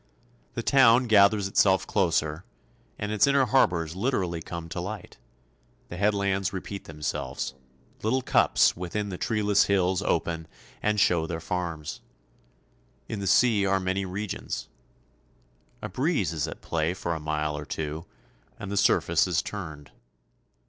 The town gathers itself closer, and its inner harbours literally come to light; the headlands repeat themselves; little cups within the treeless hills open and show their farms. In the sea are many regions. A breeze is at play for a mile or two, and the surface is turned.